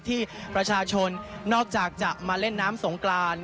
ที่ประชาชนนอกจากจะมาเล่นน้ำสงกราน